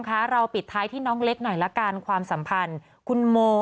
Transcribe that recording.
ค่ะเราปิดท้ายที่น้องเล็กหน่อยละกันความสัมพันธ์คุณโม